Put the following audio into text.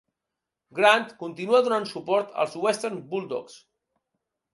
Grant continua donant suport als Western Bulldogs.